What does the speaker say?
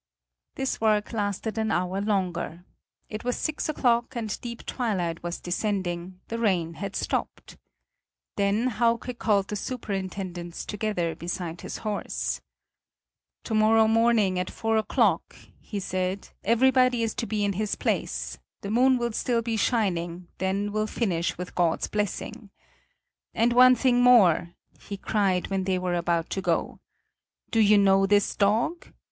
This work lasted an hour longer. It was six o'clock, and deep twilight was descending; the rain had stopped. Then Hauke called the superintendents together beside his horse: "To morrow morning at four o'clock," he said, "everybody is to be in his place; the moon will still be shining, then we'll finish with God's blessing. And one thing more," he cried, when they were about to go: "do you know this dog?"